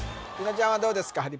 紀野ちゃんはどうですか？